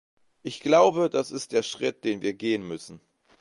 Ich glaube, das ist der Schritt, den wir gehen müssen.